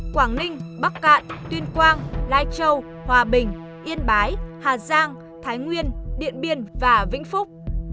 quảng ninh bắc cạn tuyên quang lai châu hòa bình yên bái hà giang thái nguyên điện biên và vĩnh phúc